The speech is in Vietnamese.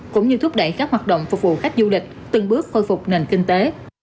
cũng như thúc đẩy các hoạt động phục vụ khách du lịch từng bước khôi phục nền kinh tế